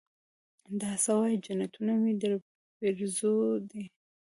دا سه وايې جنتونه مې درپېرزو دي.